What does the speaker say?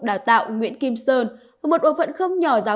đào tạo nguyễn kim sơn một bộ phận không nhỏ giáo dục đào tạo